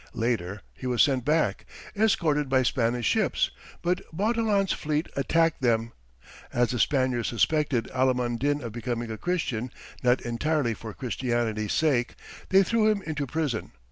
Later, he was sent back, escorted by Spanish ships, but Bautilan's fleet attacked them. As the Spaniards suspected Alimund Din of becoming a Christian not entirely for Christianity's sake, they threw him into prison.